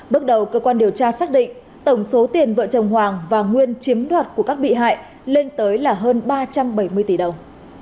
bước đầu cơ quan điều tra xác định tổng số tiền vợ chồng hoàng và nguyên chiếm đoạt của các bị hại lên tới là hơn ba trăm bảy mươi tỷ đồng